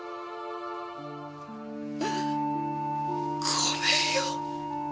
ごめんよ。